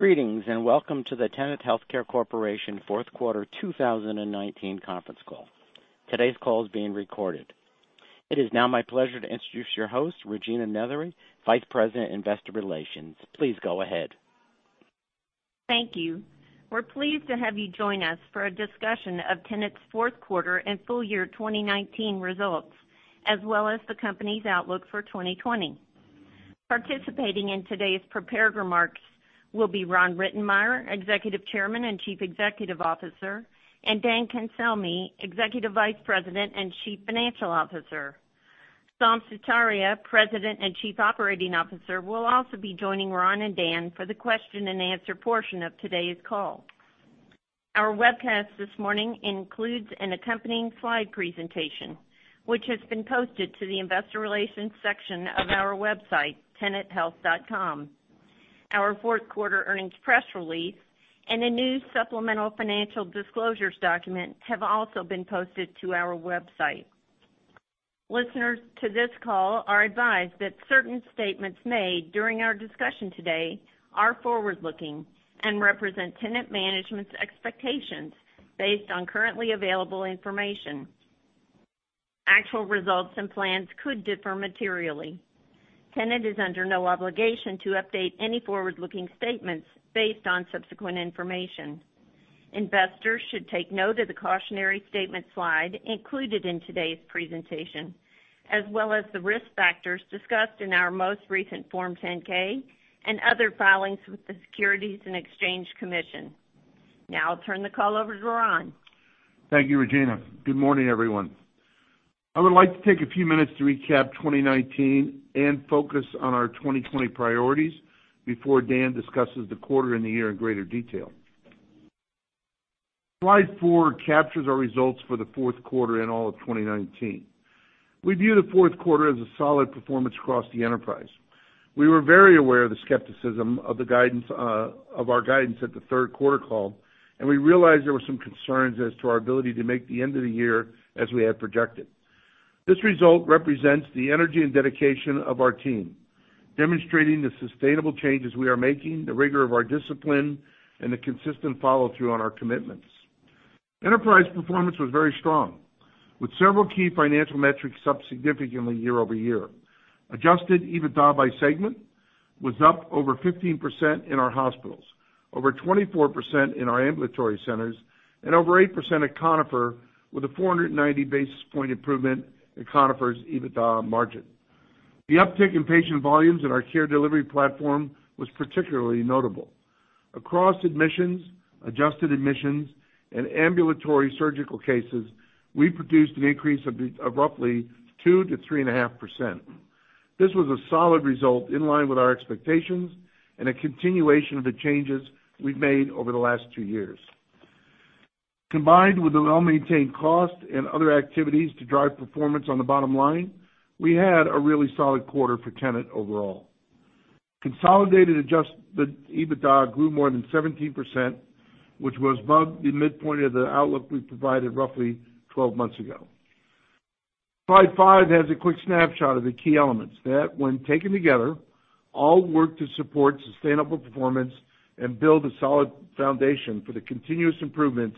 Greetings, Welcome to the Tenet Healthcare Corporation fourth quarter 2019 conference call. Today's call is being recorded. It is now my pleasure to introduce your host, Regina Nethery, Vice President, Investor Relations. Please go ahead. Thank you. We're pleased to have you join us for a discussion of Tenet's fourth quarter and full year 2019 results, as well as the company's outlook for 2020. Participating in today's prepared remarks will be Ron Rittenmeyer, Executive Chairman and Chief Executive Officer, and Dan Cancelmi, Executive Vice President and Chief Financial Officer. Saum Sutaria, President and Chief Operating Officer, will also be joining Ron and Dan for the question and answer portion of today's call. Our webcast this morning includes an accompanying slide presentation, which has been posted to the investor relations section of our website, tenethealth.com. Our fourth quarter earnings press release and a new supplemental financial disclosures document have also been posted to our website. Listeners to this call are advised that certain statements made during our discussion today are forward-looking and represent Tenet management's expectations based on currently available information. Actual results and plans could differ materially. Tenet is under no obligation to update any forward-looking statements based on subsequent information. Investors should take note of the cautionary statement slide included in today's presentation, as well as the risk factors discussed in our most recent Form 10-K and other filings with the Securities and Exchange Commission. Now I'll turn the call over to Ron. Thank you, Regina. Good morning, everyone. I would like to take a few minutes to recap 2019 and focus on our 2020 priorities before Dan discusses the quarter and the year in greater detail. Slide four captures our results for the fourth quarter and all of 2019. We view the fourth quarter as a solid performance across the enterprise. We were very aware of the skepticism of our guidance at the third quarter call, we realized there were some concerns as to our ability to make the end of the year as we had projected. This result represents the energy and dedication of our team, demonstrating the sustainable changes we are making, the rigor of our discipline, and the consistent follow-through on our commitments. Enterprise performance was very strong, with several key financial metrics up significantly year-over-year. Adjusted EBITDA by segment was up over 15% in our hospitals, over 24% in our ambulatory centers, and over 8% at Conifer, with a 490-basis point improvement in Conifer's EBITDA margin. The uptick in patient volumes in our care delivery platform was particularly notable. Across admissions, adjusted admissions, and ambulatory surgical cases, we produced an increase of roughly 2%-3.5%. This was a solid result in line with our expectations and a continuation of the changes we've made over the last two years. Combined with the well-maintained cost and other activities to drive performance on the bottom line, we had a really solid quarter for Tenet overall. Consolidated adjusted EBITDA grew more than 17%, which was above the midpoint of the outlook we provided roughly 12 months ago. Slide five has a quick snapshot of the key elements that, when taken together, all work to support sustainable performance and build a solid foundation for the continuous improvements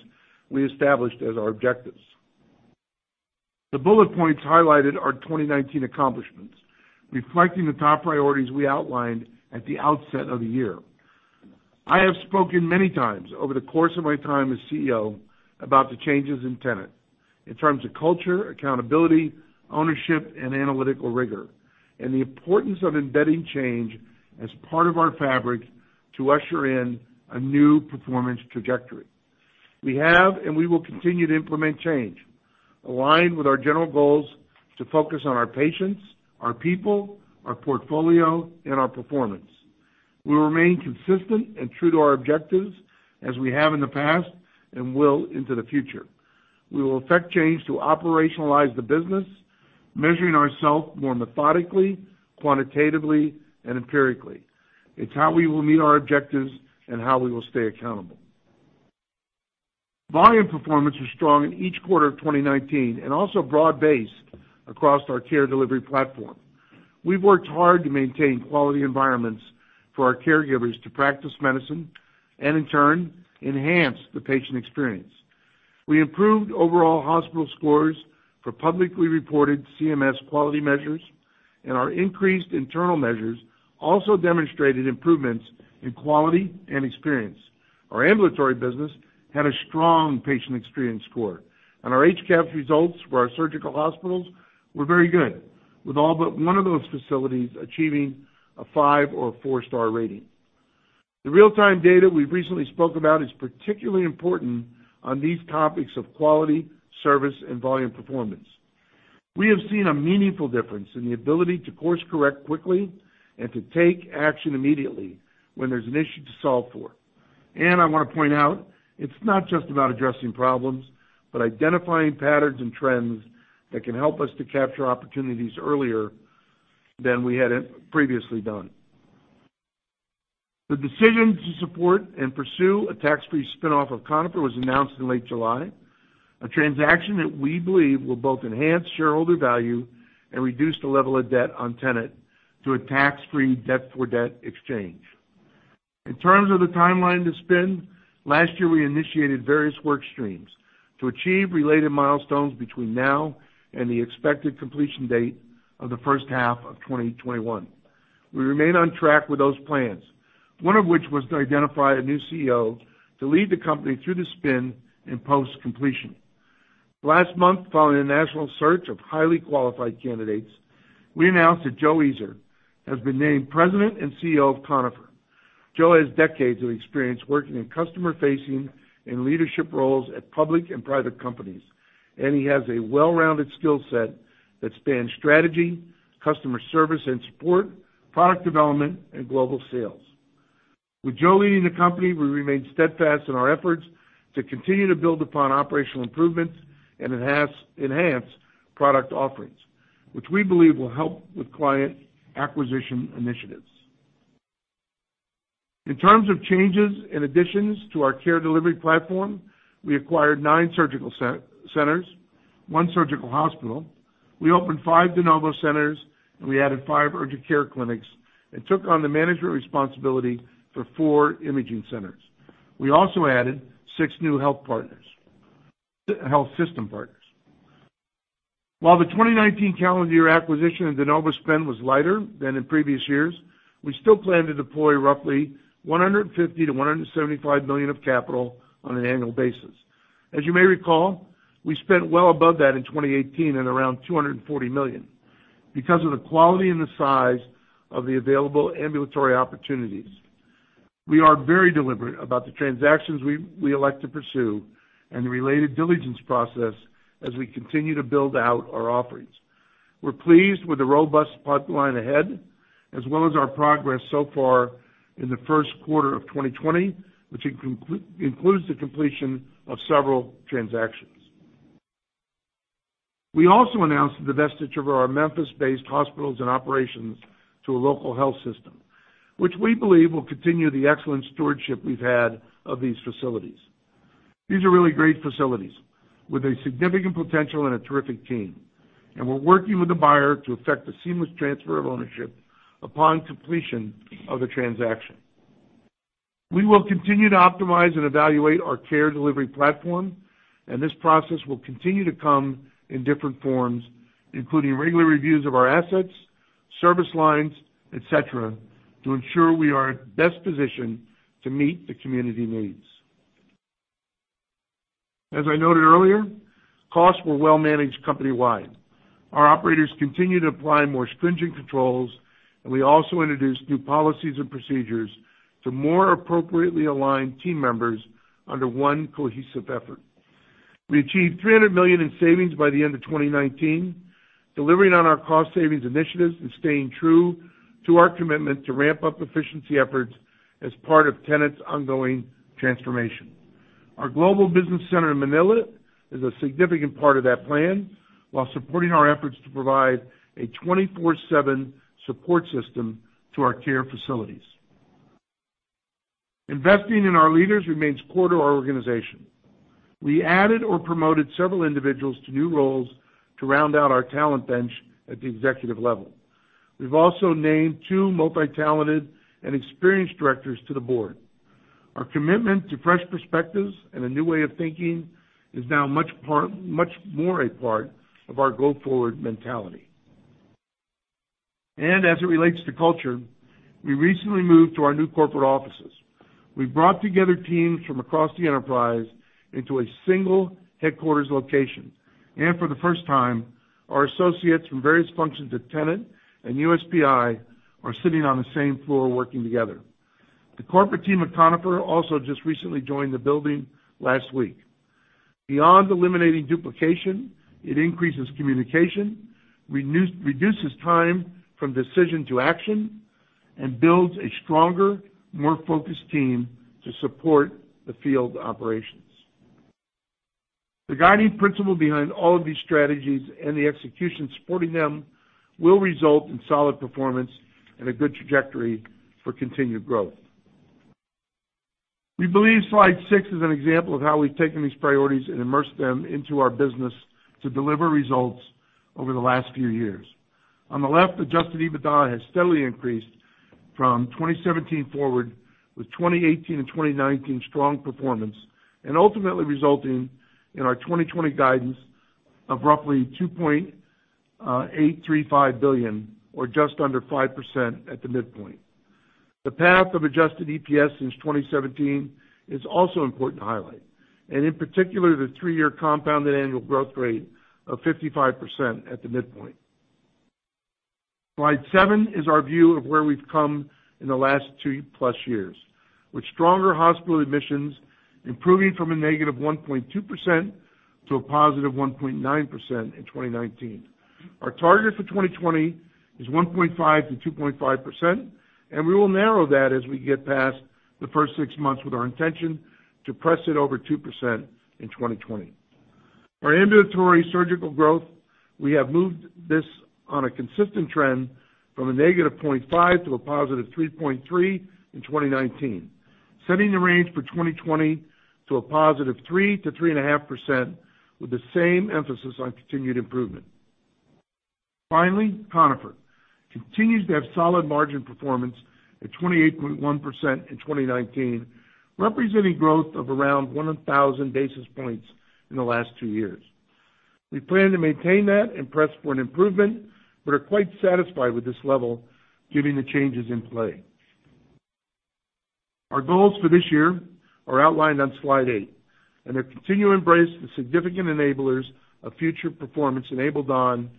we established as our objectives. The bullet points highlighted our 2019 accomplishments, reflecting the top priorities we outlined at the outset of the year. I have spoken many times over the course of my time as CEO about the changes in Tenet in terms of culture, accountability, ownership, and analytical rigor, and the importance of embedding change as part of our fabric to usher in a new performance trajectory. We have, and we will continue to implement change, aligned with our general goals to focus on our patients, our people, our portfolio, and our performance. We remain consistent and true to our objectives as we have in the past and will into the future. We will affect change to operationalize the business, measuring ourselves more methodically, quantitatively, and empirically. It's how we will meet our objectives and how we will stay accountable. Volume performance was strong in each quarter of 2019 and also broad-based across our care delivery platform. We've worked hard to maintain quality environments for our caregivers to practice medicine and in turn, enhance the patient experience. We improved overall hospital scores for publicly reported CMS quality measures, and our increased internal measures also demonstrated improvements in quality and experience. Our ambulatory business had a strong patient experience score, and our HCAHPS results for our surgical hospitals were very good, with all but one of those facilities achieving a five or a four-star rating. The real-time data we've recently spoke about is particularly important on these topics of quality, service, and volume performance. We have seen a meaningful difference in the ability to course-correct quickly and to take action immediately when there's an issue to solve for. I want to point out, it's not just about addressing problems, but identifying patterns and trends that can help us to capture opportunities earlier than we had previously done. The decision to support and pursue a tax-free spin-off of Conifer was announced in late July. A transaction that we believe will both enhance shareholder value and reduce the level of debt on Tenet to a tax-free debt for debt exchange. In terms of the timeline to spin, last year we initiated various work streams to achieve related milestones between now and the expected completion date of the first half of 2021. We remain on track with those plans. One of which was to identify a new CEO to lead the company through the spin and post completion. Last month, following a national search of highly qualified candidates, we announced that Joseph Eazor has been named President and CEO of Conifer. Joe has decades of experience working in customer facing and leadership roles at public and private companies, and he has a well-rounded skill set that spans strategy, customer service and support, product development, and global sales. With Joe leading the company, we remain steadfast in our efforts to continue to build upon operational improvements and enhance product offerings, which we believe will help with client acquisition initiatives. In terms of changes and additions to our care delivery platform, we acquired nine surgical centers, one surgical hospital. We opened five De Novo centers, and we added five urgent care clinics and took on the management responsibility for four imaging centers. We also added six new health system partners. While the 2019 calendar year acquisition of De Novo spend was lighter than in previous years, we still plan to deploy roughly $150 million-$175 million of capital on an annual basis. As you may recall, we spent well above that in 2018 at around $240 million. Because of the quality and the size of the available ambulatory opportunities, we are very deliberate about the transactions we elect to pursue and the related diligence process as we continue to build out our offerings. We're pleased with the robust pipeline ahead, as well as our progress so far in the first quarter of 2020, which includes the completion of several transactions. We also announced the divestiture of our Memphis-based hospitals and operations to a local health system, which we believe will continue the excellent stewardship we've had of these facilities. These are really great facilities with a significant potential and a terrific team. We're working with the buyer to affect the seamless transfer of ownership upon completion of the transaction. We will continue to optimize and evaluate our care delivery platform, and this process will continue to come in different forms, including regular reviews of our assets, service lines, et cetera, to ensure we are at best position to meet the community needs. As I noted earlier, costs were well managed company-wide. Our operators continue to apply more stringent controls, and we also introduced new policies and procedures to more appropriately align team members under one cohesive effort. We achieved $300 million in savings by the end of 2019, delivering on our cost savings initiatives and staying true to our commitment to ramp up efficiency efforts as part of Tenet's ongoing transformation. Our global business center in Manila is a significant part of that plan, while supporting our efforts to provide a 24/7 support system to our care facilities. Investing in our leaders remains core to our organization. We added or promoted several individuals to new roles to round out our talent bench at the executive level. We've also named two multi-talented and experienced directors to the board. Our commitment to fresh perspectives and a new way of thinking is now much more a part of our go-forward mentality. As it relates to culture, we recently moved to our new corporate offices. We brought together teams from across the enterprise into a single headquarters location. For the first time, our associates from various functions at Tenet and USPI are sitting on the same floor working together. The corporate team at Conifer also just recently joined the building last week. Beyond eliminating duplication, it increases communication, reduces time from decision to action, and builds a stronger, more focused team to support the field operations. The guiding principle behind all of these strategies and the execution supporting them will result in solid performance and a good trajectory for continued growth. We believe slide six is an example of how we've taken these priorities and immersed them into our business to deliver results over the last few years. On the left, adjusted EBITDA has steadily increased from 2017 forward with 2018 and 2019 strong performance, and ultimately resulting in our 2020 guidance of roughly $2.835 billion or just under 5% at the midpoint. The path of adjusted EPS since 2017 is also important to highlight, in particular, the three-year compounded annual growth rate of 55% at the midpoint. Slide seven is our view of where we've come in the last two plus years. With stronger hospital admissions improving from a negative 1.2% to a positive 1.9% in 2019. Our target for 2020 is 1.5%-2.5%, we will narrow that as we get past the first six months with our intention to press it over 2% in 2020. Our ambulatory surgical growth. We have moved this on a consistent trend from a negative 0.5% to a positive 3.3% in 2019, setting the range for 2020 to a positive 3%-3.5% with the same emphasis on continued improvement. Finally, Conifer continues to have solid margin performance at 28.1% in 2019, representing growth of around 1,000 basis points in the last two years. We plan to maintain that and press for an improvement, but are quite satisfied with this level given the changes in play. They continue to embrace the significant enablers of future performance enabled on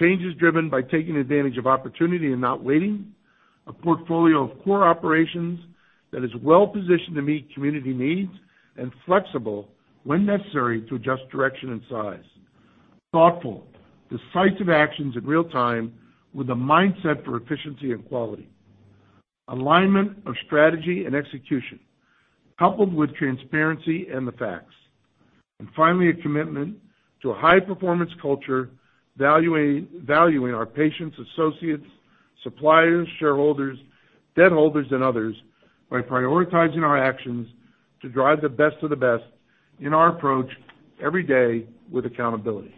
changes driven by taking advantage of opportunity and not waiting, a portfolio of core operations that is well-positioned to meet community needs and flexible when necessary to adjust direction and size. Thoughtful, decisive actions in real time with a mindset for efficiency and quality. Alignment of strategy and execution, coupled with transparency and the facts. Finally, a commitment to a high-performance culture, valuing our patients, associates, suppliers, shareholders, debt holders, and others by prioritizing our actions to drive the best of the best in our approach every day with accountability.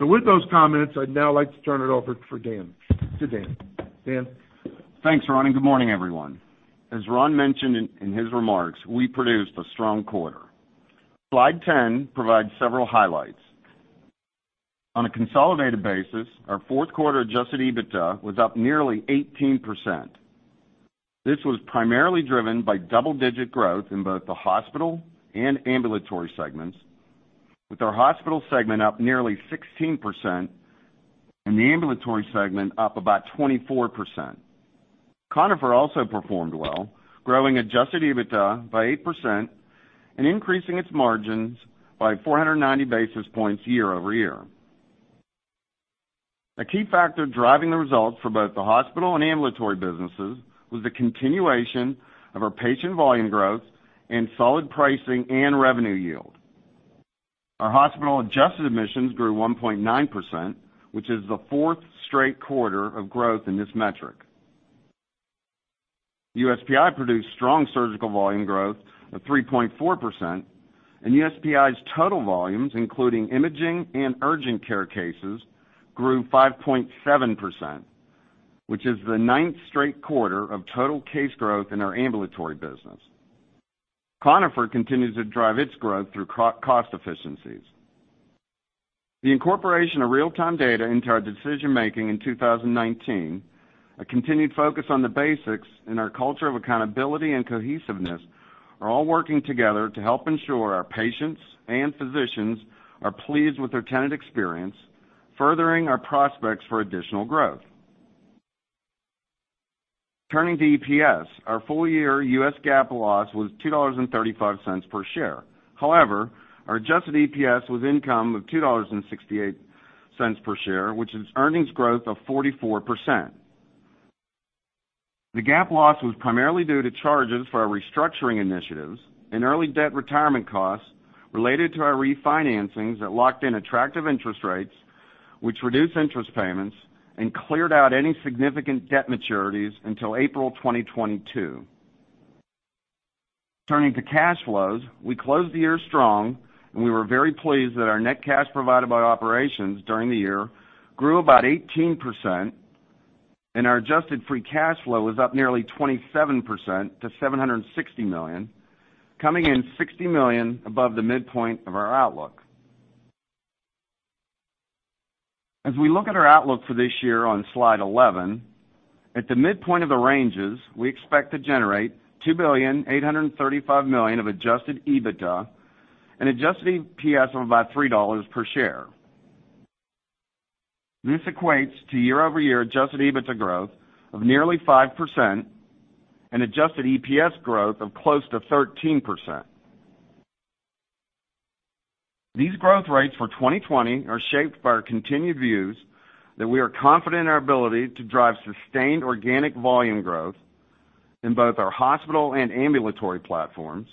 With those comments, I'd now like to turn it over to Dan. Dan? Thanks, Ron. Good morning, everyone. As Ron mentioned in his remarks, we produced a strong quarter. Slide 10 provides several highlights. On a consolidated basis, our fourth quarter adjusted EBITDA was up nearly 18%. This was primarily driven by double-digit growth in both the hospital and ambulatory segments, with our hospital segment up nearly 16% and the ambulatory segment up about 24%. Conifer also performed well, growing adjusted EBITDA by 8% and increasing its margins by 490 basis points year-over-year. A key factor driving the results for both the hospital and ambulatory businesses was the continuation of our patient volume growth and solid pricing and revenue yield. Our hospital adjusted admissions grew 1.9%, which is the fourth straight quarter of growth in this metric. USPI produced strong surgical volume growth of 3.4%, and USPI's total volumes, including imaging and urgent care cases, grew 5.7%, which is the ninth straight quarter of total case growth in our ambulatory business. Conifer continues to drive its growth through cost efficiencies. The incorporation of real-time data into our decision-making in 2019, a continued focus on the basics, and our culture of accountability and cohesiveness are all working together to help ensure our patients and physicians are pleased with their Tenet experience, furthering our prospects for additional growth. Turning to EPS, our full-year U.S. GAAP loss was $2.35 per share. However, our adjusted EPS was income of $2.68 per share, which is earnings growth of 44%. The GAAP loss was primarily due to charges for our restructuring initiatives and early debt retirement costs related to our refinancings that locked in attractive interest rates, which reduced interest payments and cleared out any significant debt maturities until April 2022. Turning to cash flows, we closed the year strong, and we were very pleased that our net cash provided by operations during the year grew about 18%, and our adjusted free cash flow was up nearly 27% to $760 million, coming in $60 million above the midpoint of our outlook. As we look at our outlook for this year on slide 11, at the midpoint of the ranges, we expect to generate $2,835,000,000 of adjusted EBITDA and adjusted EPS of about $3 per share. This equates to year-over-year adjusted EBITDA growth of nearly 5% and adjusted EPS growth of close to 13%. These growth rates for 2020 are shaped by our continued views that we are confident in our ability to drive sustained organic volume growth in both our hospital and ambulatory platforms.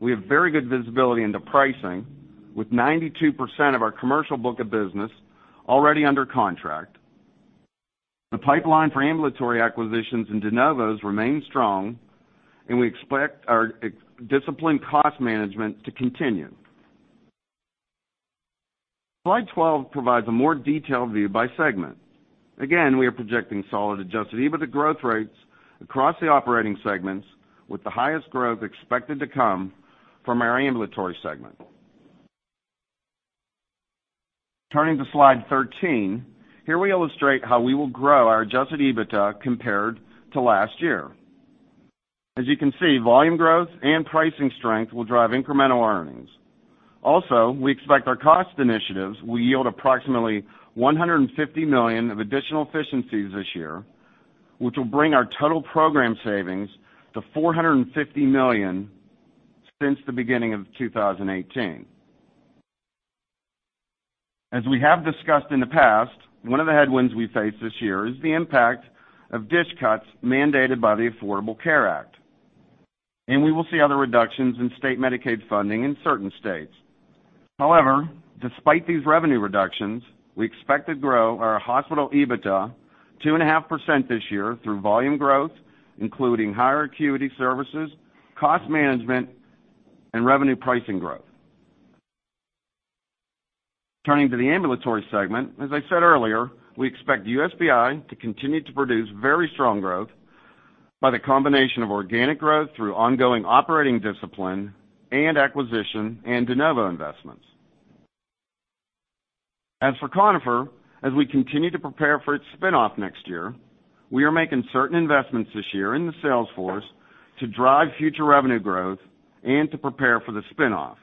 We have very good visibility into pricing, with 92% of our commercial book of business already under contract. The pipeline for ambulatory acquisitions and De Novos remains strong, and we expect our disciplined cost management to continue. Slide 12 provides a more detailed view by segment. Again, we are projecting solid adjusted EBITDA growth rates across the operating segments, with the highest growth expected to come from our ambulatory segment. Turning to slide 13, here we illustrate how we will grow our adjusted EBITDA compared to last year. As you can see, volume growth and pricing strength will drive incremental earnings. We expect our cost initiatives will yield approximately $150 million of additional efficiencies this year, which will bring our total program savings to $450 million since the beginning of 2018. As we have discussed in the past, one of the headwinds we face this year is the impact of DSH cuts mandated by the Affordable Care Act. We will see other reductions in state Medicaid funding in certain states. However, despite these revenue reductions, we expect to grow our hospital EBITDA 2.5% this year through volume growth, including higher acuity services, cost management, and revenue pricing growth. Turning to the ambulatory segment, as I said earlier, we expect USPI to continue to produce very strong growth by the combination of organic growth through ongoing operating discipline and acquisition and De Novo investments. As for Conifer, as we continue to prepare for its spin-off next year, we are making certain investments this year in the sales force to drive future revenue growth and to prepare for the spin-off.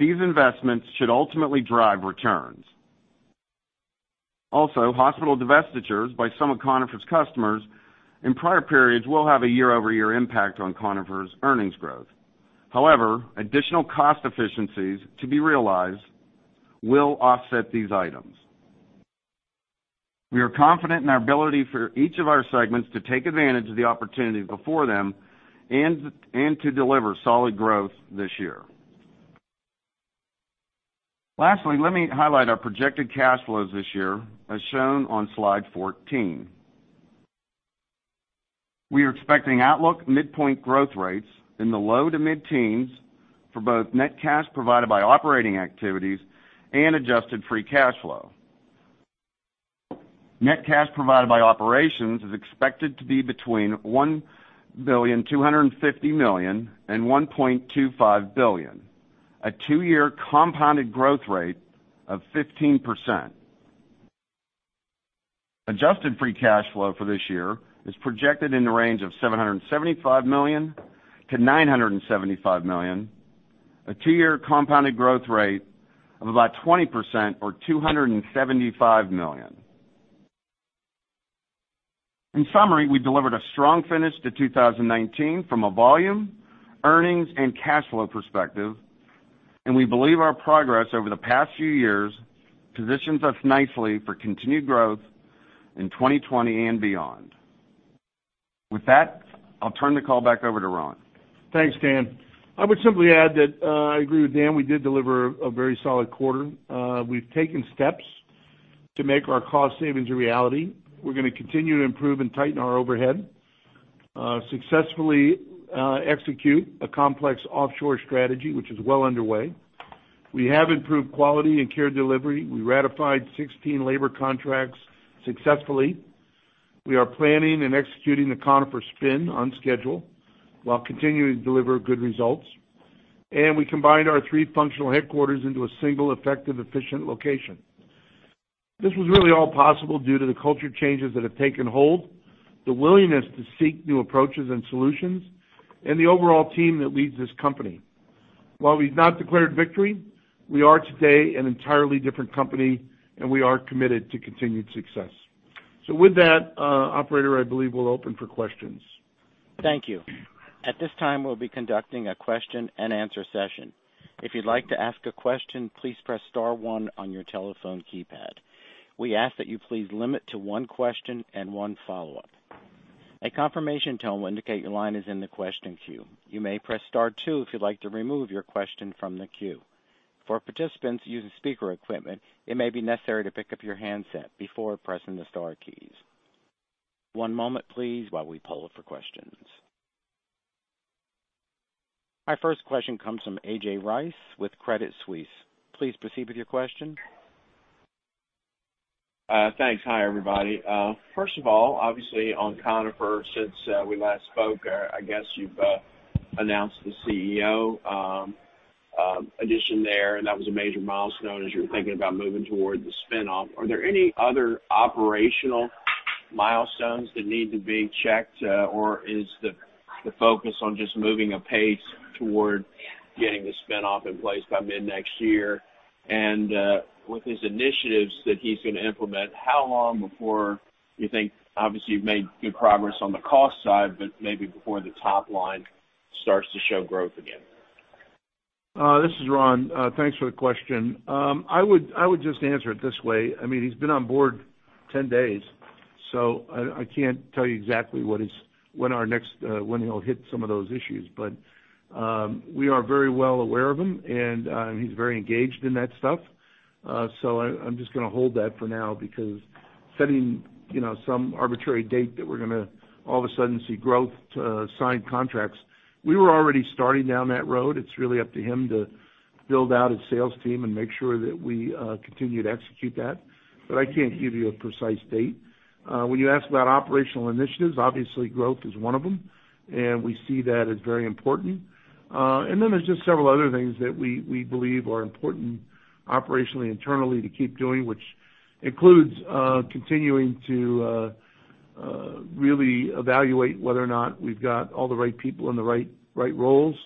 These investments should ultimately drive returns. Hospital divestitures by some of Conifer's customers in prior periods will have a year-over-year impact on Conifer's earnings growth. However, additional cost efficiencies to be realized will offset these items. We are confident in our ability for each of our segments to take advantage of the opportunity before them and to deliver solid growth this year. Lastly, let me highlight our projected cash flows this year, as shown on slide 14. We are expecting outlook midpoint growth rates in the low to mid-teens for both net cash provided by operating activities and adjusted free cash flow. Net cash provided by operations is expected to be between $1.25 billion and $1.25 billion, a two-year compounded growth rate of 15%. Adjusted free cash flow for this year is projected in the range of $775 million to $975 million, a two-year compounded growth rate of about 20%, or $275 million. In summary, we delivered a strong finish to 2019 from a volume, earnings, and cash flow perspective, and we believe our progress over the past few years positions us nicely for continued growth in 2020 and beyond. With that, I'll turn the call back over to Ron. Thanks, Dan. I would simply add that I agree with Dan. We did deliver a very solid quarter. We've taken steps to make our cost savings a reality. We're going to continue to improve and tighten our overhead, successfully execute a complex offshore strategy, which is well underway. We have improved quality and care delivery. We ratified 16 labor contracts successfully. We are planning and executing the Conifer spin on schedule while continuing to deliver good results. We combined our three functional headquarters into a single effective, efficient location. This was really all possible due to the culture changes that have taken hold, the willingness to seek new approaches and solutions, and the overall team that leads this company. While we've not declared victory, we are today an entirely different company, and we are committed to continued success. With that, operator, I believe we'll open for questions. Thank you. At this time, we'll be conducting a question and answer session. If you'd like to ask a question, please press star one on your telephone keypad. We ask that you please limit to one question and one follow-up. A confirmation tone will indicate your line is in the question queue. You may press star two if you'd like to remove your question from the queue. For participants using speaker equipment, it may be necessary to pick up your handset before pressing the star keys. One moment, please, while we poll for questions. Our first question comes from A.J. Rice with Credit Suisse. Please proceed with your question. Thanks. Hi, everybody. First of all, obviously on Conifer, since we last spoke, I guess you've announced the CEO addition there, and that was a major milestone as you were thinking about moving towards the spin-off. Are there any other operational milestones that need to be checked, or is the focus on just moving a pace toward getting the spin-off in place by mid-next year? With his initiatives that he's going to implement, how long before you think Obviously, you've made good progress on the cost side, but maybe before the top line starts to show growth again? This is Ron. Thanks for the question. I would just answer it this way. He's been on board 10 days. I can't tell you exactly when he'll hit some of those issues. We are very well aware of him, and he's very engaged in that stuff. I'm just going to hold that for now because setting some arbitrary date that we're going to all of a sudden see growth to sign contracts, we were already starting down that road. It's really up to him to build out his sales team and make sure that we continue to execute that. I can't give you a precise date. When you ask about operational initiatives, obviously growth is one of them, and we see that as very important. Then there's just several other things that we believe are important operationally, internally to keep doing, which includes continuing to really evaluate whether or not we've got all the right people in the right roles.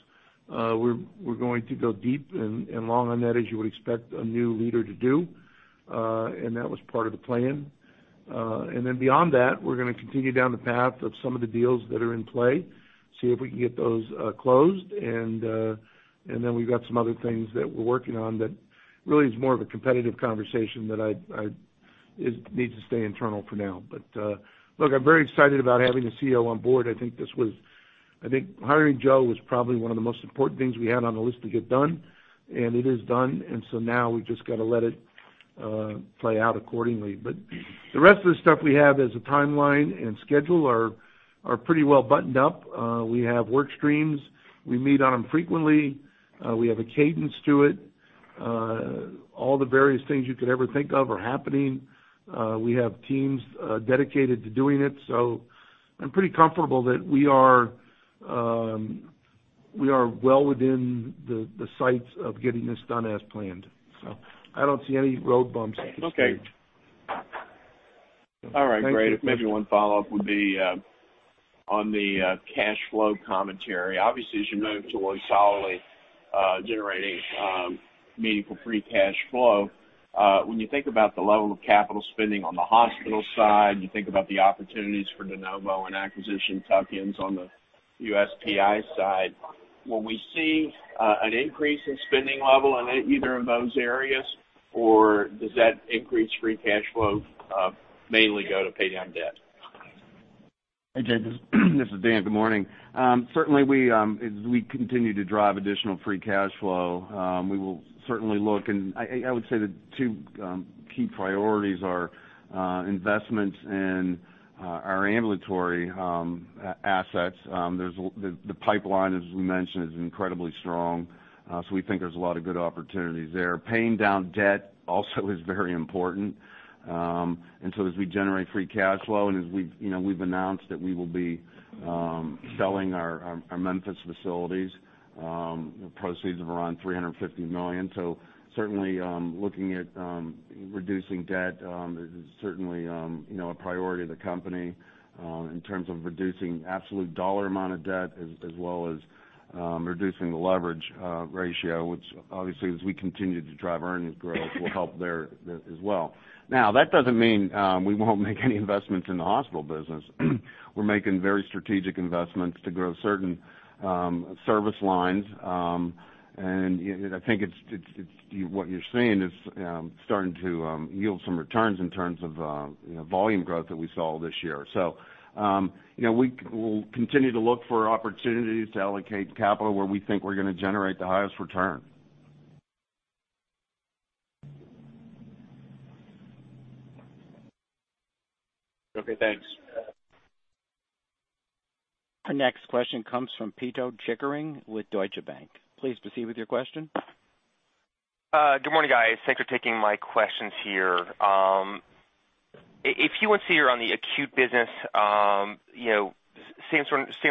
We're going to go deep and long on that, as you would expect a new leader to do. That was part of the plan. Then beyond that, we're going to continue down the path of some of the deals that are in play, see if we can get those closed, and then we've got some other things that we're working on that really is more of a competitive conversation that I'd. It needs to stay internal for now. Look, I'm very excited about having a CEO on board. I think hiring Joe was probably one of the most important things we had on the list to get done, and it is done. Now we've just got to let it play out accordingly. The rest of the stuff we have as a timeline and schedule are pretty well buttoned up. We have work streams. We meet on them frequently. We have a cadence to it. All the various things you could ever think of are happening. We have teams dedicated to doing it. I'm pretty comfortable that we are well within the sights of getting this done as planned. I don't see any road bumps here. Okay. All right, great. Maybe one follow-up would be on the cash flow commentary. Obviously, as you move towards solidly generating meaningful free cash flow, when you think about the level of capital spending on the hospital side, you think about the opportunities for De Novo and acquisition tuck-ins on the USPI side. Will we see an increase in spending level in either of those areas? Or does that increase free cash flow mainly go to pay down debt? Hey, A.J., this is Dan. Good morning. Certainly, as we continue to drive additional free cash flow, we will certainly look, and I would say the two key priorities are investments in our ambulatory assets. The pipeline, as we mentioned, is incredibly strong, so we think there's a lot of good opportunities there. Paying down debt also is very important. As we generate free cash flow, and as we've announced that we will be selling our Memphis facilities, with proceeds of around $350 million. Certainly looking at reducing debt is certainly a priority of the company in terms of reducing absolute dollar amount of debt, as well as reducing the leverage ratio, which obviously, as we continue to drive earnings growth, will help there as well. That doesn't mean we won't make any investments in the hospital business. We're making very strategic investments to grow certain service lines. I think what you're seeing is starting to yield some returns in terms of volume growth that we saw this year. We will continue to look for opportunities to allocate capital where we think we're going to generate the highest return. Okay, thanks. Our next question comes from Pito Chickering with Deutsche Bank. Please proceed with your question. Good morning, guys. Thanks for taking my questions here. If you would see here on the acute business, same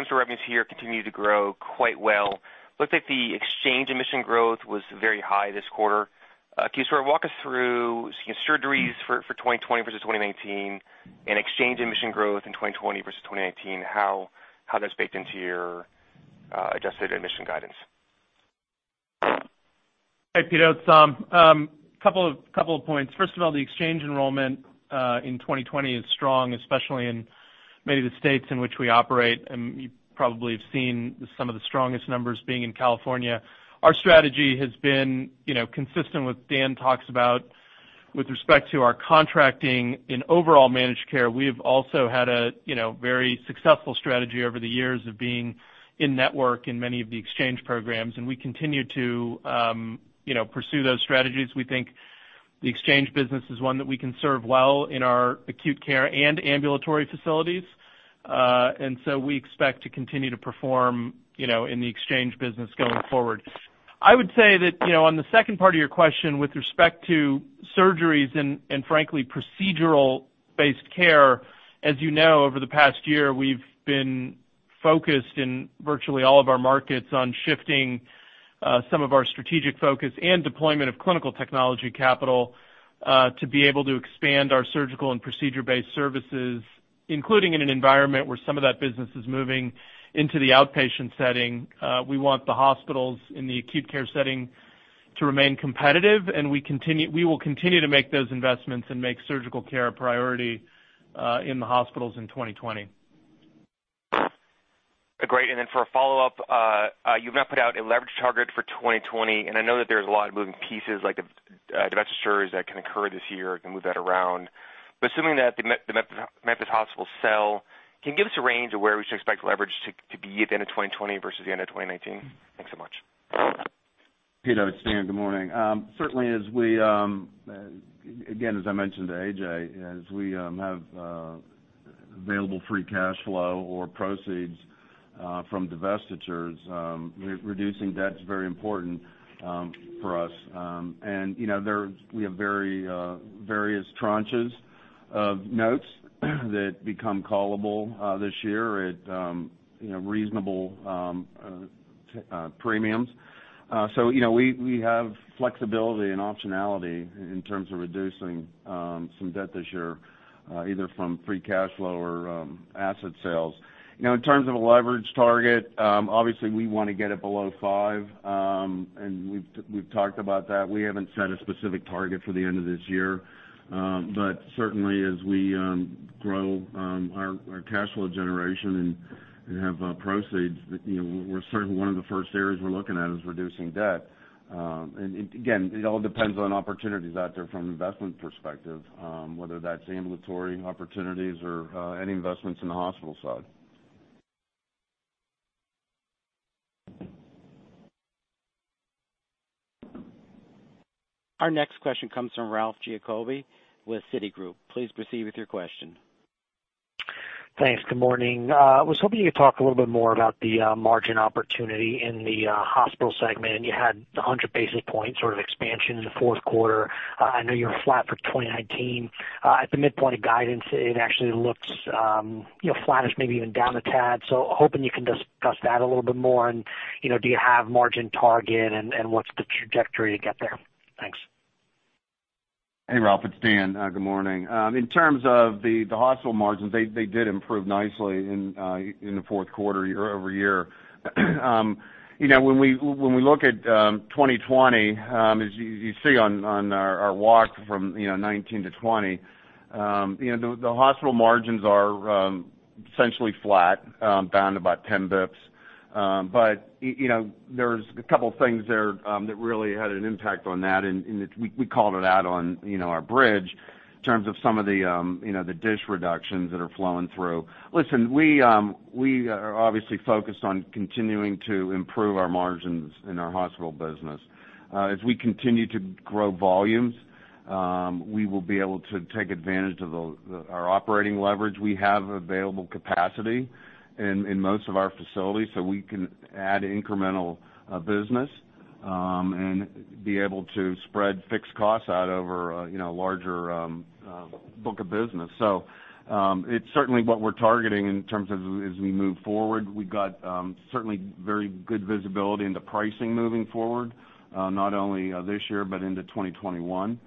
store revenues here continue to grow quite well. Looks like the exchange admission growth was very high this quarter. Can you sort of walk us through surgeries for 2020 versus 2019 and exchange admission growth in 2020 versus 2019, how that's baked into your adjusted admission guidance? Hey, Pito. Its Saum, a couple of points. First of all, the exchange enrollment in 2020 is strong, especially in many of the states in which we operate. You probably have seen some of the strongest numbers being in California. Our strategy has been consistent with Dan talks about with respect to our contracting in overall managed care. We've also had a very successful strategy over the years of being in-network in many of the exchange programs, and we continue to pursue those strategies. We think the exchange business is one that we can serve well in our acute care and ambulatory facilities. We expect to continue to perform in the exchange business going forward. I would say that on the second part of your question with respect to surgeries and frankly, procedural-based care, as you know, over the past year, we've been focused in virtually all of our markets on shifting some of our strategic focus and deployment of clinical technology capital to be able to expand our surgical and procedure-based services, including in an environment where some of that business is moving into the outpatient setting. We want the hospitals in the acute care setting to remain competitive, and we will continue to make those investments and make surgical care a priority in the hospitals in 2020. Great. For a follow-up, you've not put out a leverage target for 2020, and I know that there's a lot of moving pieces, like divestitures that can occur this year can move that around. Assuming that the Memphis hospitals sell, can you give us a range of where we should expect leverage to be at the end of 2020 versus the end of 2019? Thanks so much. Pito, it's Dan. Good morning. Certainly, again, as I mentioned to A.J., as we have available free cash flow or proceeds from divestitures, reducing debt is very important for us. We have various tranches of notes that become callable this year at reasonable premiums. We have flexibility and optionality in terms of reducing some debt this year, either from free cash flow or asset sales. In terms of a leverage target, obviously, we want to get it below five, and we've talked about that. We haven't set a specific target for the end of this year. Certainly, as we grow our cash flow generation and have proceeds, certainly one of the first areas we're looking at is reducing debt. Again, it all depends on opportunities out there from an investment perspective, whether that's ambulatory opportunities or any investments in the hospital side. Our next question comes from Ralph Giacobbe with Citigroup. Please proceed with your question. Thanks. Good morning. I was hoping you could talk a little bit more about the margin opportunity in the hospital segment. You had 100 basis points expansion in the fourth quarter. I know you're flat for 2019. At the midpoint of guidance, it actually looks flattish, maybe even down a tad. Hoping you can discuss that a little bit more and do you have margin target, and what's the trajectory to get there? Thanks. Hey, Ralph, it's Dan. Good morning. In terms of the hospital margins, they did improve nicely in the fourth quarter year-over-year. When we look at 2020, as you see on our walk from 2019-2020, the hospital margins are essentially flat, down about 10 basis points. There's a couple things there that really had an impact on that, and we called it out on our bridge in terms of some of the DSH reductions that are flowing through. Listen, we are obviously focused on continuing to improve our margins in our hospital business. As we continue to grow volumes, we will be able to take advantage of our operating leverage. We have available capacity in most of our facilities, so we can add incremental business, and be able to spread fixed costs out over a larger book of business. It's certainly what we're targeting in terms of as we move forward. We've got certainly very good visibility into pricing moving forward, not only this year, but into 2021.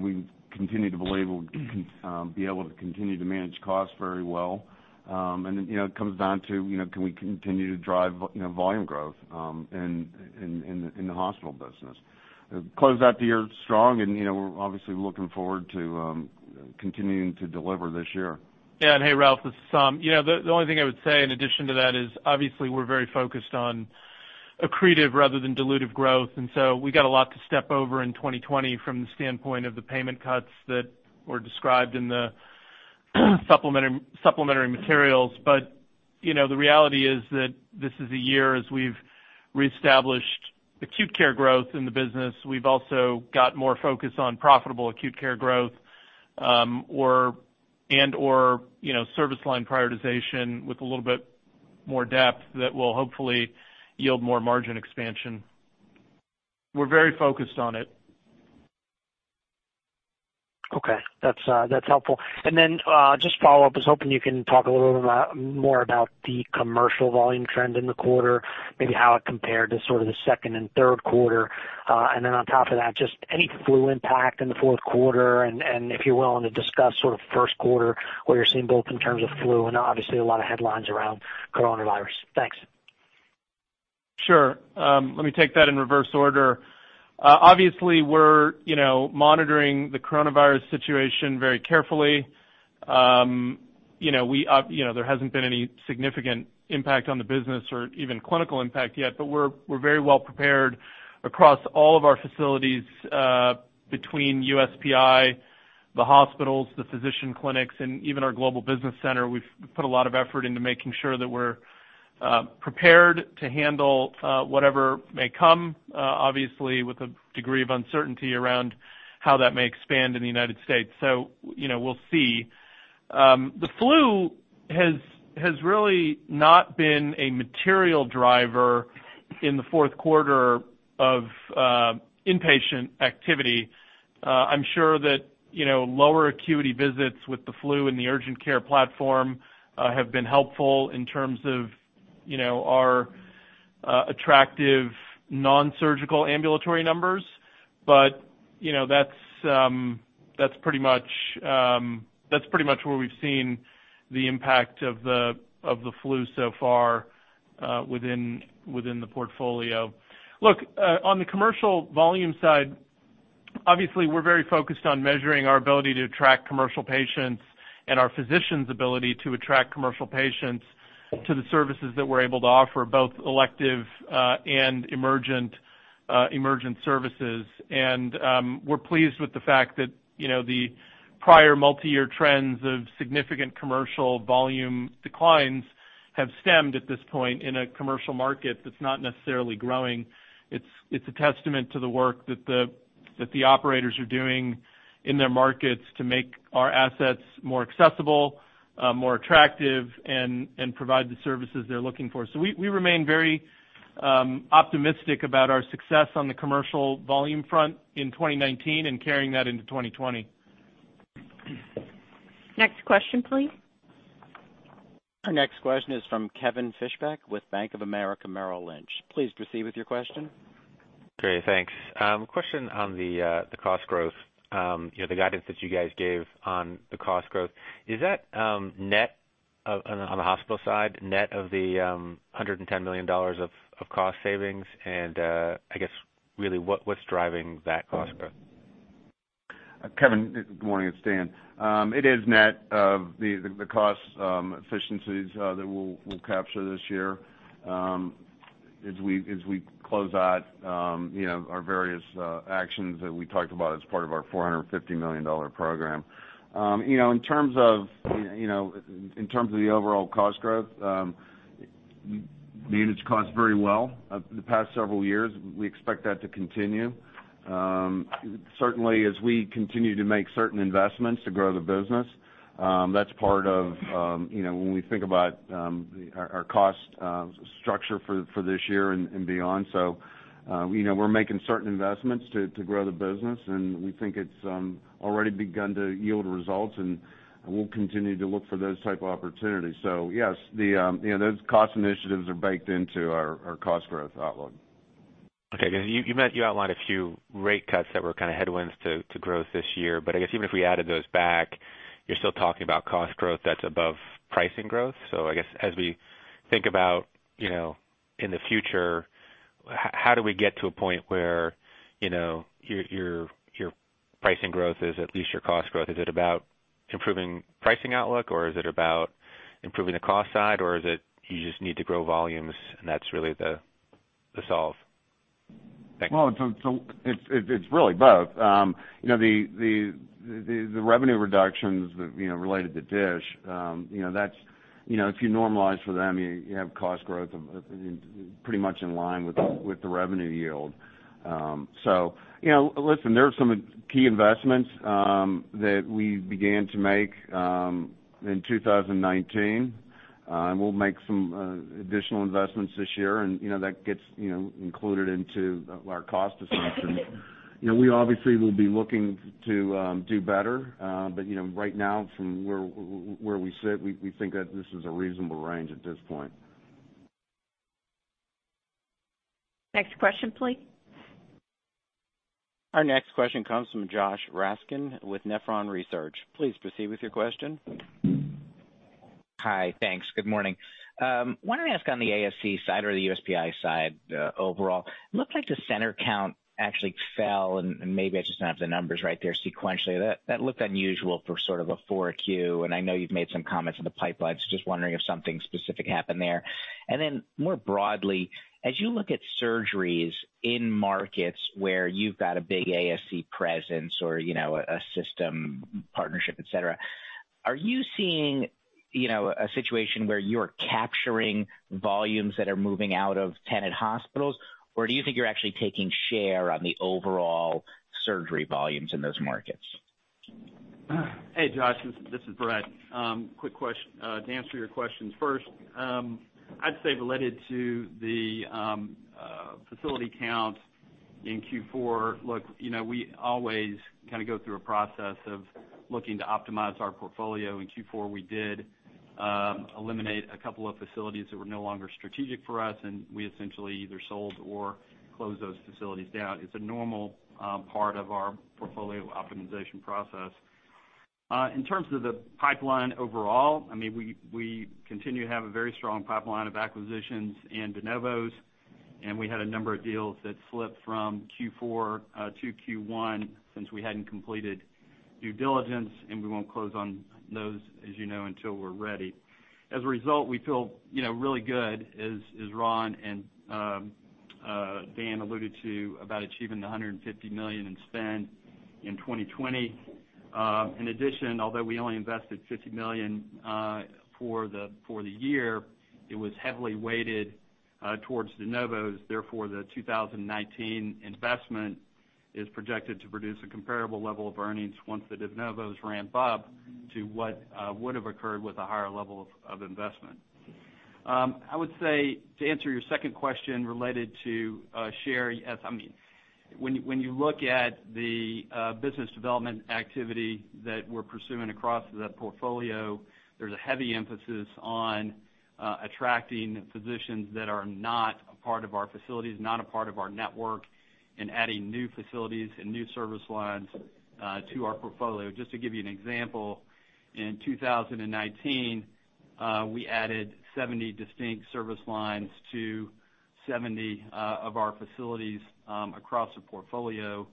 We continue to believe we'll be able to continue to manage costs very well. It comes down to can we continue to drive volume growth in the hospital business. Closed out the year strong. We're obviously looking forward to continuing to deliver this year. Yeah. Hey, Ralph, this is Saum. The only thing I would say in addition to that is obviously we're very focused on accretive rather than dilutive growth. We got a lot to step over in 2020 from the standpoint of the payment cuts that were described in the supplementary materials. The reality is that this is a year as we've reestablished acute care growth in the business. We've also got more focus on profitable acute care growth and/or service line prioritization with a little bit more depth that will hopefully yield more margin expansion. We're very focused on it. Okay. That's helpful. Just follow up, I was hoping you can talk a little bit more about the commercial volume trend in the quarter, maybe how it compared to sort of the second and third quarter. On top of that, just any flu impact in the fourth quarter, and if you're willing to discuss first quarter, what you're seeing both in terms of flu and obviously a lot of headlines around coronavirus. Thanks. Sure. Let me take that in reverse order. Obviously, we're monitoring the coronavirus situation very carefully. There hasn't been any significant impact on the business or even clinical impact yet, but we're very well-prepared across all of our facilities, between USPI, the hospitals, the physician clinics, and even our global business center. We've put a lot of effort into making sure that we're prepared to handle whatever may come, obviously with a degree of uncertainty around how that may expand in the United States. We'll see. The flu has really not been a material driver in the fourth quarter of inpatient activity. I'm sure that lower acuity visits with the flu in the urgent care platform have been helpful in terms of our attractive non-surgical ambulatory numbers. That's pretty much where we've seen the impact of the flu so far within the portfolio. Look, on the commercial volume side, obviously we're very focused on measuring our ability to attract commercial patients and our physicians' ability to attract commercial patients to the services that we're able to offer, both elective and emergent services. We're pleased with the fact that the prior multi-year trends of significant commercial volume declines have stemmed at this point in a commercial market that's not necessarily growing. It's a testament to the work that the operators are doing in their markets to make our assets more accessible, more attractive, and provide the services they're looking for. We remain very optimistic about our success on the commercial volume front in 2019 and carrying that into 2020. Next question, please. Our next question is from Kevin Fischbeck with Bank of America Merrill Lynch. Please proceed with your question. Great. Thanks. Question on the cost growth, the guidance that you guys gave on the cost growth. Is that net on the hospital side, net of the $110 million of cost savings? I guess, really, what's driving that cost growth? Kevin, good morning. It's Dan. It is net of the cost efficiencies that we'll capture this year as we close out our various actions that we talked about as part of our $450 million program. In terms of the overall cost growth, managed costs very well the past several years. We expect that to continue. Certainly, as we continue to make certain investments to grow the business, that's part of when we think about our cost structure for this year and beyond. We're making certain investments to grow the business, and we think it's already begun to yield results, and we'll continue to look for those type of opportunities. Yes, those cost initiatives are baked into our cost growth outlook. Okay. You outlined a few rate cuts that were headwinds to growth this year. I guess even if we added those back, you're still talking about cost growth that's above pricing growth. I guess, as we think about in the future, how do we get to a point where your pricing growth is at least your cost growth? Is it about improving pricing outlook, or is it about improving the cost side, or is it you just need to grow volumes and that's really the solve? Thanks. It's really both. The revenue reductions related to DSH, if you normalize for them, you have cost growth pretty much in line with the revenue yield. Listen, there are some key investments that we began to make in 2019. We'll make some additional investments this year, and that gets included into our cost assumption. We obviously will be looking to do better. Right now, from where we sit, we think that this is a reasonable range at this point. Next question, please. Our next question comes from Josh Raskin with Nephron Research. Please proceed with your question. Hi. Thanks. Good morning. Wanted to ask on the ASC side or the USPI side, overall, looked like the center count actually fell, and maybe I just don't have the numbers right there sequentially. That looked unusual for sort of a 4Q, and I know you've made some comments on the pipelines. Just wondering if something specific happened there. More broadly, as you look at surgeries in markets where you've got a big ASC presence or a system partnership, et cetera, are you seeing a situation where you are capturing volumes that are moving out of Tenet hospitals, or do you think you're actually taking share on the overall surgery volumes in those markets? Hey, Josh, this is Brett. To answer your questions first, I'd say related to the facility count in Q4, look, we always go through a process of looking to optimize our portfolio. In Q4, we did eliminate a couple of facilities that were no longer strategic for us, and we essentially either sold or closed those facilities down. It's a normal part of our portfolio optimization process. In terms of the pipeline overall, we continue to have a very strong pipeline of acquisitions and De Novos, and we had a number of deals that slipped from Q4-Q1 since we hadn't completed due diligence, and we won't close on those, as you know, until we're ready. As a result, we feel really good, as Ron and Dan alluded to, about achieving the $150 million in spend in 2020. In addition, although we only invested $50 million for the year, it was heavily weighted towards De Novos. Therefore, the 2019 investment is projected to produce a comparable level of earnings once the De Novos ramp up to what would have occurred with a higher level of investment. I would say to answer your second question related to share, when you look at the business development activity that we're pursuing across the portfolio, there's a heavy emphasis on attracting physicians that are not a part of our facilities, not a part of our network, and adding new facilities and new service lines to our portfolio. Just to give you an example, in 2019, we added 70 distinct service lines to 70 of our facilities across the portfolio,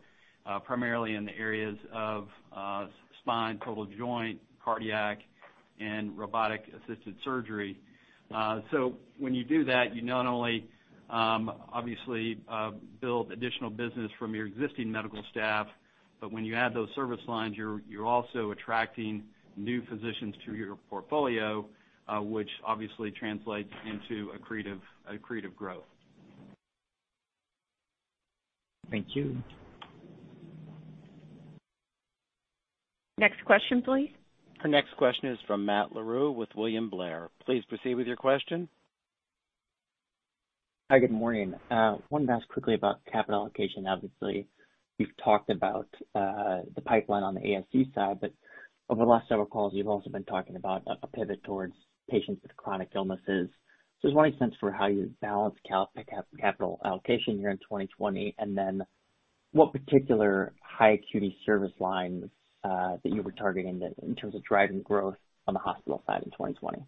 primarily in the areas of spine, total joint, cardiac, and robotic-assisted surgery. When you do that, you not only obviously build additional business from your existing medical staff, but when you add those service lines, you're also attracting new physicians to your portfolio, which obviously translates into accretive growth. Thank you. Next question, please. Our next question is from Matt Larew with William Blair. Please proceed with your question. Hi, good morning. Wanted to ask quickly about capital allocation. Obviously, you've talked about the pipeline on the ASC side. Over the last several calls, you've also been talking about a pivot towards patients with chronic illnesses. I was wondering your sense for how you balance capital allocation here in 2020, and then what particular high acuity service lines that you were targeting in terms of driving growth on the hospital side in 2020?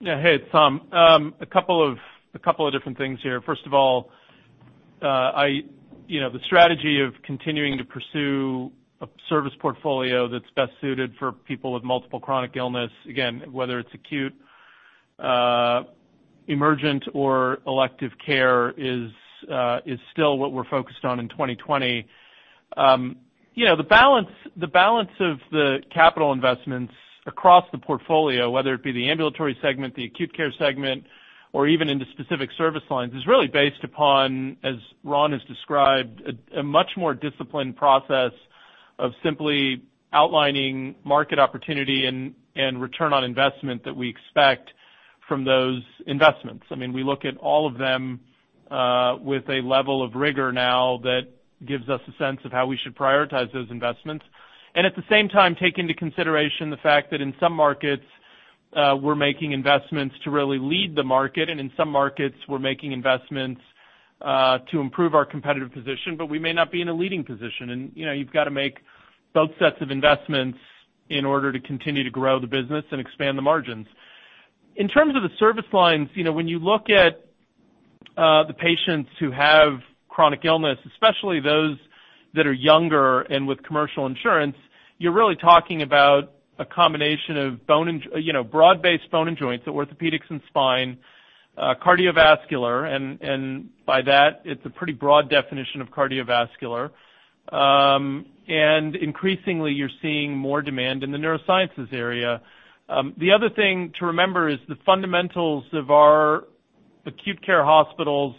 Yeah. Hey, it's Saum. A couple of different things here. The strategy of continuing to pursue a service portfolio that's best suited for people with multiple chronic illness, again, whether it's acute, emergent or elective care, is still what we're focused on in 2020. The balance of the capital investments across the portfolio, whether it be the ambulatory segment, the acute care segment, or even into specific service lines, is really based upon, as Ron has described, a much more disciplined process of simply outlining market opportunity and ROI that we expect from those investments. We look at all of them with a level of rigor now that gives us a sense of how we should prioritize those investments. At the same time, take into consideration the fact that in some markets, we're making investments to really lead the market, and in some markets, we're making investments to improve our competitive position, but we may not be in a leading position. You've got to make both sets of investments in order to continue to grow the business and expand the margins. In terms of the service lines, when you look at the patients who have chronic illness, especially those that are younger and with commercial insurance, you're really talking about a combination of broad-based bone and joints, so orthopedics and spine, cardiovascular, and by that, it's a pretty broad definition of cardiovascular. Increasingly, you're seeing more demand in the neurosciences area. The other thing to remember is the fundamentals of our acute care hospitals,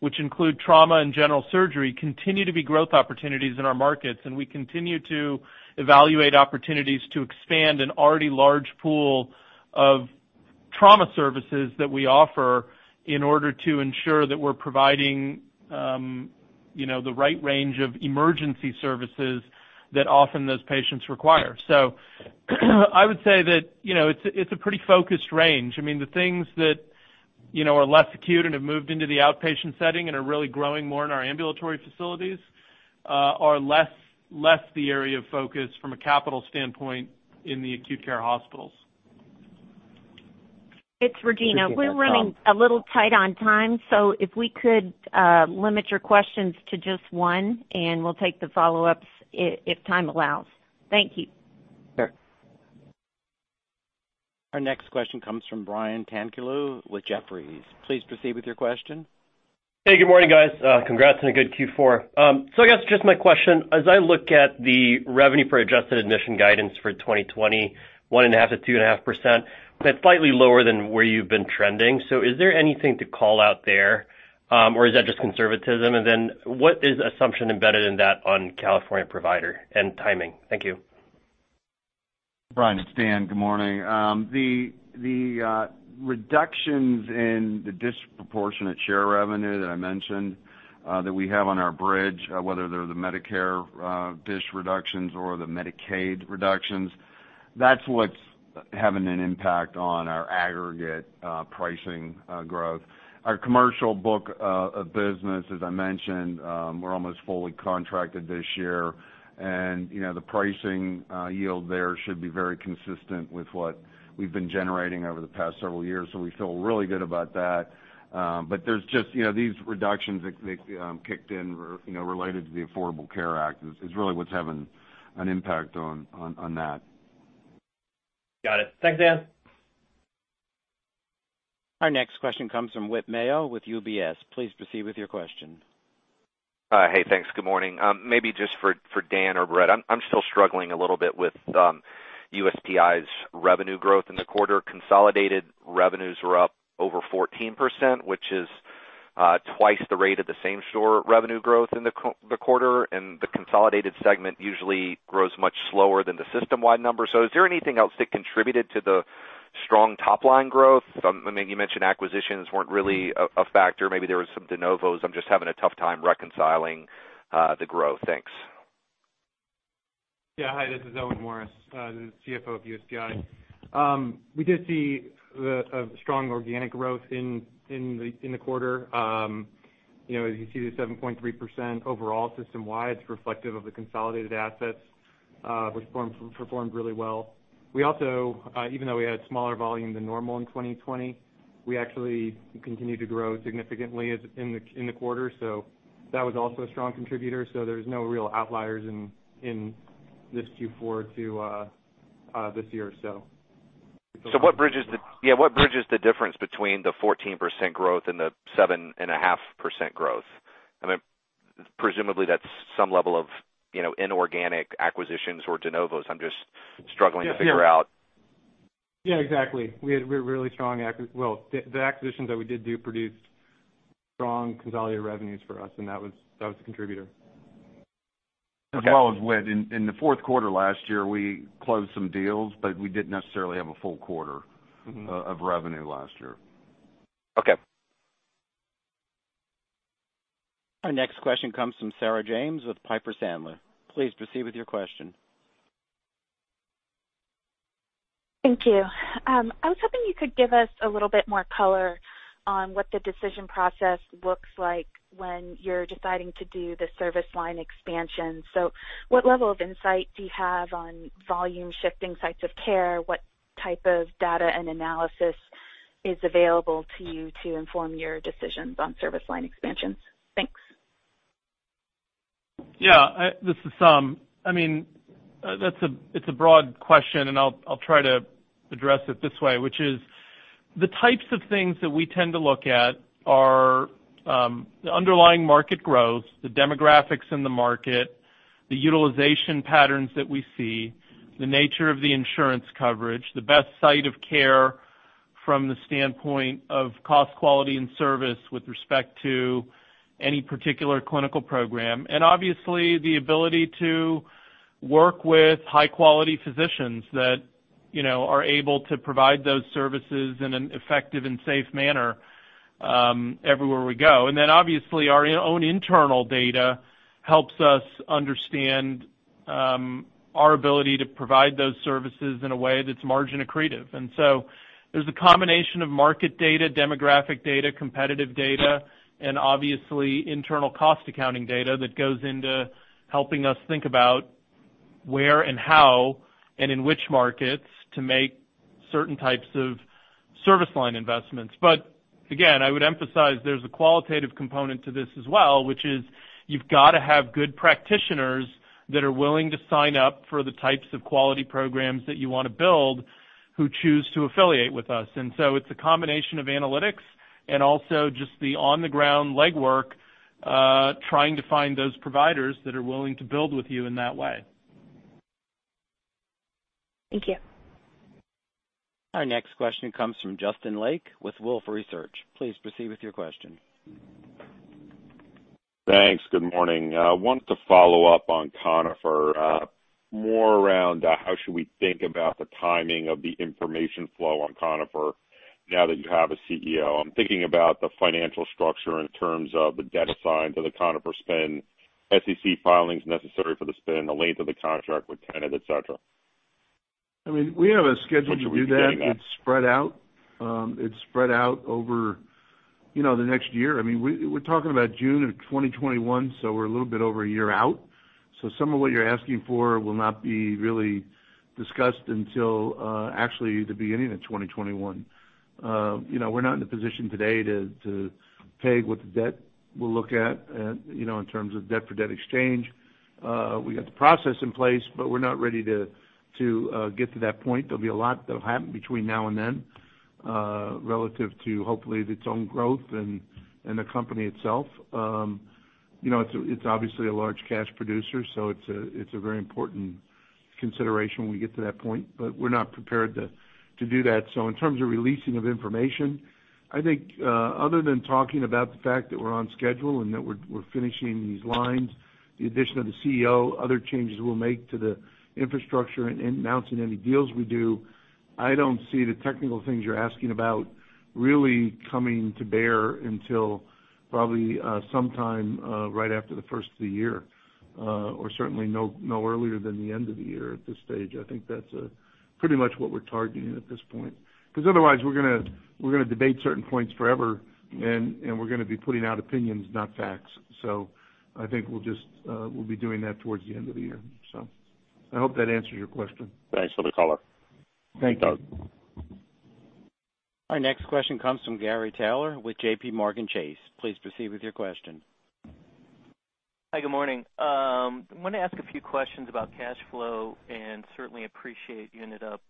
which include trauma and general surgery, continue to be growth opportunities in our markets, and we continue to evaluate opportunities to expand an already large pool of trauma services that we offer in order to ensure that we're providing the right range of emergency services that often those patients require. I would say that it's a pretty focused range. The things that are less acute and have moved into the outpatient setting and are really growing more in our ambulatory facilities, are less the area of focus from a capital standpoint in the acute care hospitals. It's Regina. We're running a little tight on time, so if we could limit your questions to just one, and we'll take the follow-ups if time allows. Thank you. Sure. Our next question comes from Brian Tanquilut with Jefferies. Please proceed with your question. Hey, good morning, guys. Congrats on a good Q4. I guess just my question, as I look at the revenue for adjusted admission guidance for 2020, 1.5%-2.5%, that's slightly lower than where you've been trending. Is there anything to call out there? Or is that just conservatism? What is assumption embedded in that on California provider and timing? Thank you. Brian, it's Dan. Good morning. The reductions in the disproportionate share revenue that I mentioned, that we have on our bridge, whether they're the Medicare DSH reductions or the Medicaid reductions, that's what's having an impact on our aggregate pricing growth. Our commercial book of business, as I mentioned, we're almost fully contracted this year. The pricing yield there should be very consistent with what we've been generating over the past several years. We feel really good about that. There's just these reductions that kicked in related to the Affordable Care Act is really what's having an impact on that. Got it. Thanks, Dan. Our next question comes from Whit Mayo with UBS. Please proceed with your question. Hi. Thanks. Good morning. Maybe just for Dan or Brett, I'm still struggling a little bit with USPI's revenue growth in the quarter. Consolidated revenues were up over 14%, which is twice the rate of the same-store revenue growth in the quarter. The consolidated segment usually grows much slower than the system-wide number. Is there anything else that contributed to the strong top-line growth? You mentioned acquisitions weren't really a factor. Maybe there was some De Novos. I'm just having a tough time reconciling the growth. Thanks. Yeah. Hi, this is Owen Morris, the CFO of USPI. We did see a strong organic growth in the quarter. As you see, the 7.3% overall system-wide is reflective of the consolidated assets, which performed really well. Even though we had smaller volume than normal in 2020, we actually continued to grow significantly in the quarter. That was also a strong contributor. There's no real outliers in this Q4 to this year or so. What bridges the difference between the 14% growth and the 7.5% growth? Presumably, that's some level of inorganic acquisitions or De Novos. I'm just struggling to figure out. Yeah, exactly. The acquisitions that we did do produced strong consolidated revenues for us, and that was a contributor. Whit, in the fourth quarter last year, we closed some deals, but we didn't necessarily have a full quarter of revenue last year. Okay. Our next question comes from Sarah James with Piper Sandler. Please proceed with your question. Thank you. I was hoping you could give us a little bit more color on what the decision process looks like when you're deciding to do the service line expansion. What level of insight do you have on volume shifting sites of care? What type of data and analysis is available to you to inform your decisions on service line expansions? Thanks. Yeah. This is Saum. It's a broad question, I'll try to address it this way, which is, the types of things that we tend to look at are the underlying market growth, the demographics in the market, the utilization patterns that we see, the nature of the insurance coverage, the best site of care from the standpoint of cost, quality, and service with respect to any particular clinical program. Obviously, the ability to work with high-quality physicians that are able to provide those services in an effective and safe manner everywhere we go. Obviously, our own internal data helps us understand our ability to provide those services in a way that's margin accretive. There's a combination of market data, demographic data, competitive data, and obviously, internal cost accounting data that goes into helping us think about where and how and in which markets to make certain types of service line investments. Again, I would emphasize, there's a qualitative component to this as well, which is you've got to have good practitioners that are willing to sign up for the types of quality programs that you want to build, who choose to affiliate with us. It's a combination of analytics and also just the on-the-ground legwork, trying to find those providers that are willing to build with you in that way. Thank you. Our next question comes from Justin Lake with Wolfe Research. Please proceed with your question. Thanks. Good morning. I wanted to follow up on Conifer, more around how should we think about the timing of the information flow on Conifer now that you have a CEO. I'm thinking about the financial structure in terms of the debt assigned to the Conifer spin, SEC filings necessary for the spin, the length of the contract with Tenet, et cetera. We have a schedule to do that. When should we be getting that? It's spread out. It's spread out over the next year. We're talking about June of 2021, so we're a little bit over a year out. Some of what you're asking for will not be really discussed until actually the beginning of 2021. We're not in a position today to peg what the debt we'll look at in terms of debt for debt exchange. We got the process in place, but we're not ready to get to that point. There'll be a lot that'll happen between now and then relative to, hopefully, its own growth and the company itself. It's obviously a large cash producer, so it's a very important consideration when we get to that point, but we're not prepared to do that. In terms of releasing of information, I think other than talking about the fact that we're on schedule and that we're finishing these lines, the addition of the CEO, other changes we'll make to the infrastructure, and announcing any deals we do, I don't see the technical things you're asking about really coming to bear until probably sometime right after the first of the year, or certainly no earlier than the end of the year at this stage. I think that's pretty much what we're targeting at this point. Otherwise, we're going to debate certain points forever, and we're going to be putting out opinions, not facts. I think we'll be doing that towards the end of the year. I hope that answers your question. Thanks for the color. Thank you. Thanks. Our next question comes from Gary Taylor with JPMorgan Chase. Please proceed with your question. Hi, good morning. I want to ask a few questions about cash flow. Certainly appreciate you ended up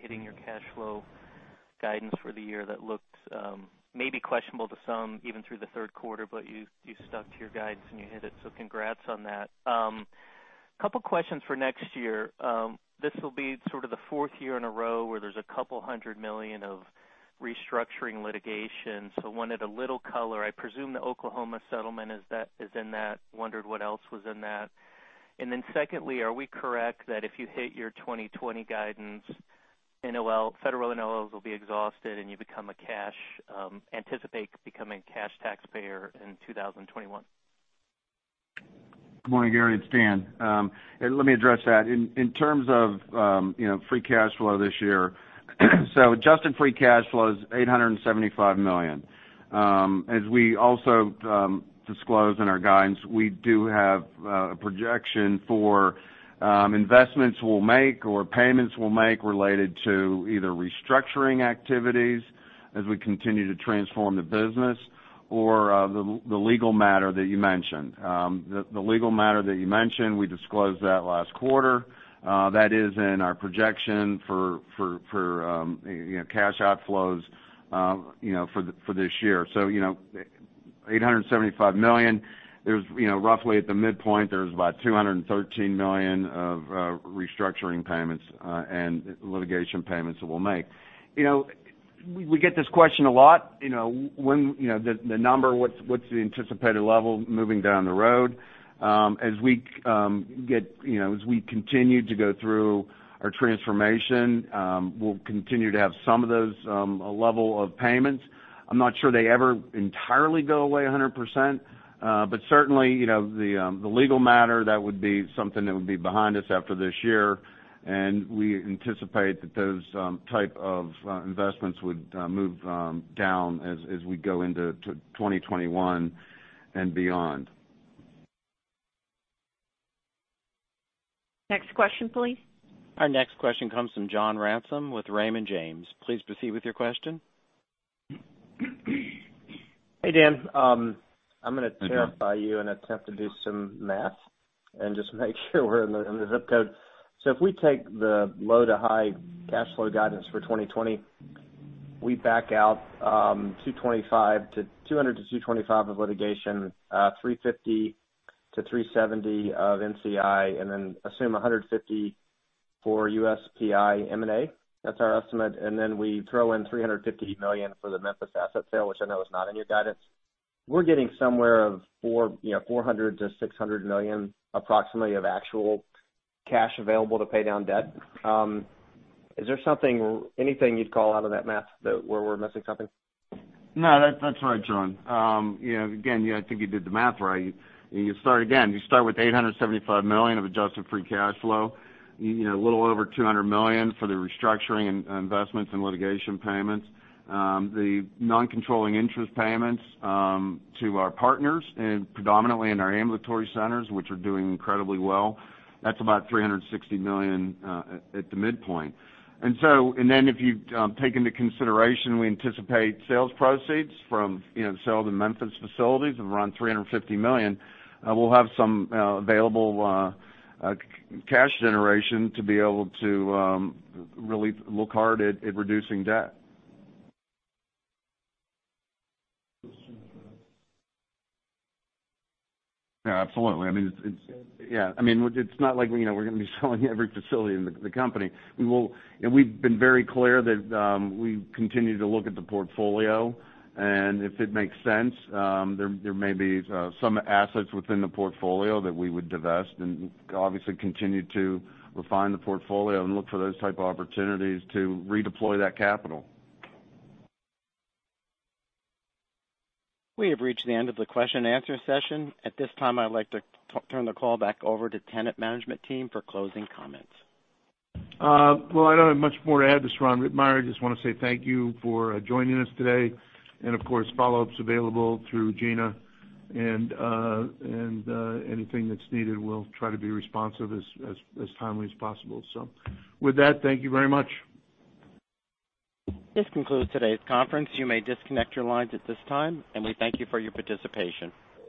hitting your cash flow guidance for the year. That looked maybe questionable to some, even through the third quarter, you stuck to your guidance, and you hit it. Congrats on that. Couple questions for next year. This will be sort of the fourth year in a row where there's a $200 million of restructuring litigation. Wanted a little color. I presume the Oklahoma settlement is in that. Wondered what else was in that. Then secondly, are we correct that if you hit your 2020 guidance, federal NOLs will be exhausted, and you anticipate becoming a cash taxpayer in 2021? Good morning, Gary. It's Dan. Let me address that. In terms of free cash flow this year, adjusted free cash flow is $875 million. As we also disclosed in our guidance, we do have a projection for investments we'll make or payments we'll make related to either restructuring activities as we continue to transform the business or the legal matter that you mentioned. The legal matter that you mentioned, we disclosed that last quarter. That is in our projection for cash outflows for this year. $875 million. Roughly at the midpoint, there's about $213 million of restructuring payments and litigation payments that we'll make. We get this question a lot. The number, what's the anticipated level moving down the road? As we continue to go through our transformation, we'll continue to have some of those level of payments. I'm not sure they ever entirely go away 100%, but certainly, the legal matter, that would be something that would be behind us after this year. We anticipate that those type of investments would move down as we go into 2021 and beyond. Next question, please. Our next question comes from John Ransom with Raymond James. Please proceed with your question. Hey, Dan. I'm going to terrify you in attempt to do some math and just make sure we're in the zip code. If we take the low-to-high cash flow guidance for 2020, we back out $200-$225 of litigation, $350-$370 of NCI, and then assume $150 for USPI M&A. That's our estimate. We throw in $350 million for the Memphis asset sale, which I know is not in your guidance. We're getting somewhere of $400 million-$600 million approximately of actual cash available to pay down debt. Is there anything you'd call out of that math where we're missing something? No, that's right, John. I think you did the math right. You start with $875 million of adjusted free cash flow. A little over $200 million for the restructuring and investments and litigation payments. The non-controlling interest payments to our partners, predominantly in our ambulatory centers, which are doing incredibly well. That's about $360 million at the midpoint. If you take into consideration, we anticipate sales proceeds from the sale of the Memphis facilities of around $350 million, we'll have some available cash generation to be able to really look hard at reducing debt. Yeah, absolutely. It's not like we're going to be selling every facility in the company. We've been very clear that we continue to look at the portfolio, and if it makes sense, there may be some assets within the portfolio that we would divest and obviously continue to refine the portfolio and look for those type of opportunities to redeploy that capital. We have reached the end of the question and answer session. At this time, I'd like to turn the call back over to Tenet management team for closing comments. Well, I don't have much more to add. This is Ron Rittenmeyer. I just want to say thank you for joining us today, and of course, follow-ups available through Regina. Anything that's needed, we'll try to be responsive as timely as possible. With that, thank you very much. This concludes today's conference. You may disconnect your lines at this time, we thank you for your participation.